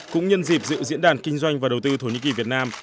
cũng nhân dịp dự diễn đàn kinh doanh và đầu tư thổ nhĩ kỳ việt nam